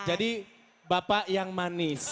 jadi bapak yang manis